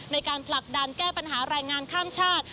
ในการผลักดันแก้ปัญหาแรงงานข้ามชาติ